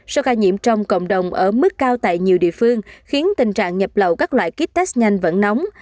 sau ca nhiễm trong cộng đồng ở mức cao tại nhiều địa phương khiến tình trạng nhập lậu các loại kit test nhanh vẫn nóng